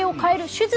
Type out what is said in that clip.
手術？